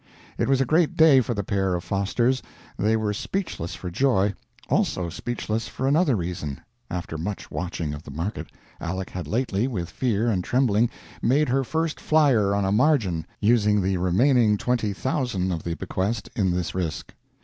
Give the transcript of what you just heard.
It was a great day for the pair of Fosters. They were speechless for joy. Also speechless for another reason: after much watching of the market, Aleck had lately, with fear and trembling, made her first flyer on a "margin," using the remaining twenty thousand of the bequest in this risk.